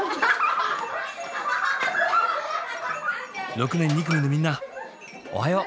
６年２組のみんなおはよう！